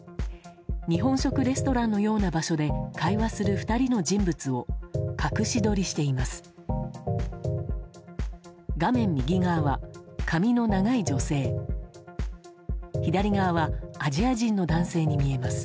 日本食レストランのような場所で会話する２人の人物を隠し撮りしています。